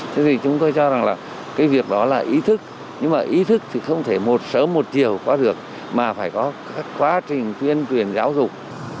thế thì chúng tôi cho rằng là cái việc đó là ý thức nhưng mà ý thức thì không thể một sớm một chiều có được mà phải có các quá trình tuyên truyền giáo dục